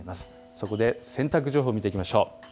そこで洗濯情報を見ていきましょう。